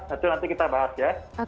itu nanti kita bahas ya